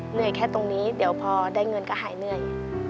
เหนื่อยแค่ตรงนี้เดี๋ยวพอได้เงินก็หายเหนื่อย